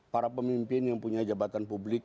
para pemimpin yang punya jabatan publik